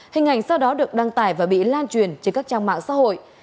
hình ảnh sau đó được đăng tải và bị lan truyền trên các trang mạng xã hội